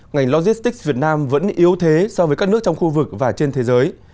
ngành logistics việt nam vẫn yếu thế so với các nước trong khu vực và trên thế giới